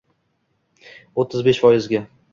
o'ttiz besh foizga.